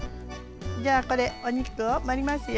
じゃあこれお肉を盛りますよ。